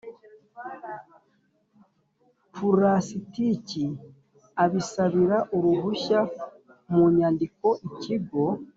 pulasitiki abisabira uruhushya mu nyandiko Ikigo